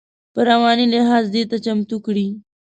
په رواني لحاظ دې ته چمتو کړي.